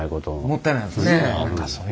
もったいないですね。